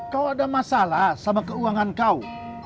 kau ada masalah sama keuangan kau